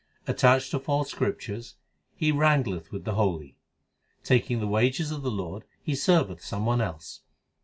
Attached to false scriptures, he wrangleth with the holy. Taking the wages of the Lord he serveth some one else.